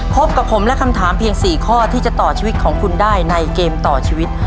พบกับผมและคำถามเพียง๔ข้อที่จะต่อชีวิตของคุณได้ในเกมต่อชีวิต